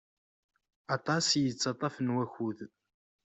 Aṭas i yettaṭaf n wakud.